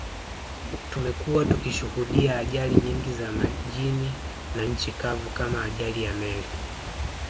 Tumekuwa tukishuhudia ajali nyingi za majini na nchi kavu kama ajali ya meli